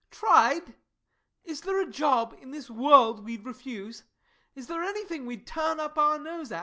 Tried! Is there a job in this world we'd refuse? Is there anything we'd turn up our nose at?